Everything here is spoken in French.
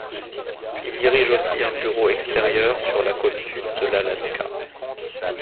Il dirige aussi un bureau extérieur sur la côte sud de l'Alaska.